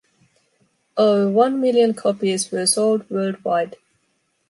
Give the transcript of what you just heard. Over one million copies were sold worldwide.